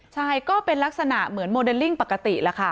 ใช่ก็เป็นลักษณะเหมือนโมเดลลิ่งปกติแล้วค่ะ